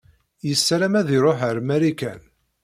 Yessaram ad iṛuḥ ar Marikan.